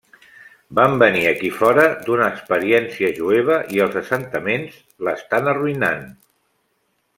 Vam venir aquí fora d'una experiència jueva, i els assentaments l'estan arruïnant.